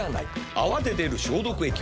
「泡で出る消毒液」は。